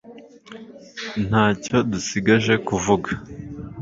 ntacyo dusigaje kuvuga